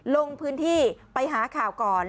ลงพื้นที่ไปหาข่าวก่อน